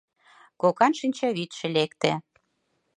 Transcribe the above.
Кокан шинчавӱдшӧ лекте.